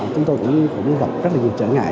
chúng tôi cũng gặp rất là nhiều trở ngại